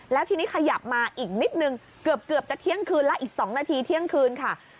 แล้วทีนี้ขยับมาอีกนิดนึงเกือบจะเที่ยงคืนแล้วอีก๒นาทีเที่ยงคืนค่ะ